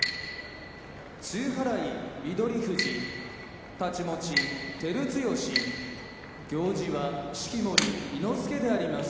露払い翠富士太刀持ち照強行司は式守伊之助であります。